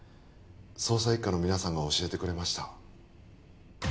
捜査一課の皆さんが教えてくれました